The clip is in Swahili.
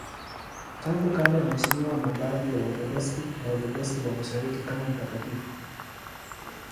Tangu kale anaheshimiwa na baadhi ya Waorthodoksi na Waorthodoksi wa Mashariki kama mtakatifu.